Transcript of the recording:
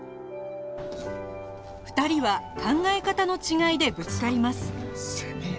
２人は考え方の違いでぶつかります